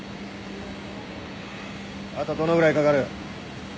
あとどのぐらいかかる？